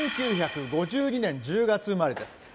１９５２年１０月生まれです。